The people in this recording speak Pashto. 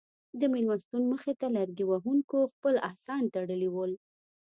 د مېلمستون مخې ته لرګي وهونکو خپل اسان تړلي ول.